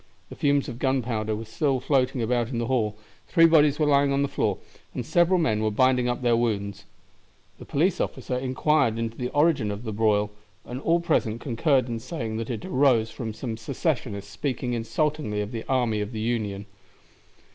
The fumes of gunpowder were still floating about the hall, three bodies were lying on the floor, and several men were binding up their wounds. The police officer inquired into the origin of the broil, and all present concurred in saying that it arose from some Secessionists speaking insultingly of the army of the Union.